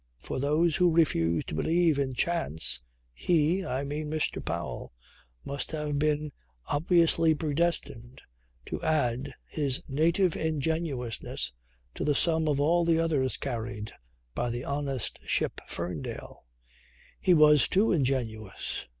For those who refuse to believe in chance he, I mean Mr. Powell, must have been obviously predestined to add his native ingenuousness to the sum of all the others carried by the honest ship Ferndale. He was too ingenuous.